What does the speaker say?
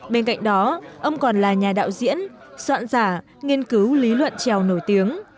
bên cạnh đó ông còn là nhà đạo diễn soạn giả nghiên cứu lý luận trèo nổi tiếng